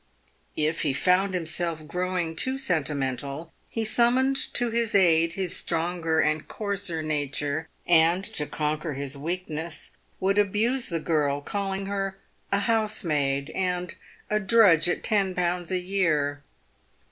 If he found himself growing too sentimental, he summoned to his aid his stronger and coarser nature, and, to conquer his weakness, would abuse the girl, calling her a housemaid and a drudge at ten pounds a year.